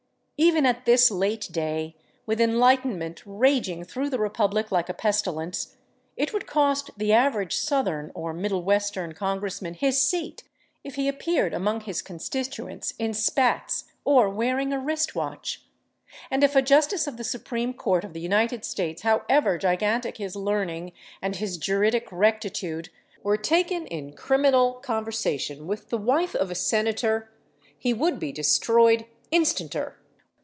Even at this late day, with enlightenment raging through the republic like a pestilence, it would cost the average Southern or Middle Western Congressman his seat if he appeared among his constituents in spats, or wearing a wrist watch. And if a Justice of the Supreme Court of the United States, however gigantic his learning and his juridic rectitude, were taken in crim. con. with the wife of a Senator, he would be destroyed instanter.